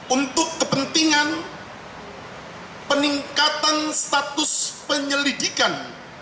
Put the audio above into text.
untuk kepentingan peningkatan status penyelidikan